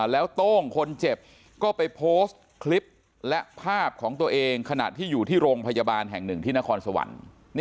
แล้วโต้งคนเจ็บก็ไปโพสต์คลิปและภาพของตัวเองขณะที่อยู่ที่โรงพยาบาลแห่งหนึ่งที่นครสวรรค์